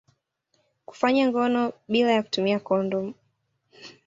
Kufanya ngono bila ya kutumia kondomu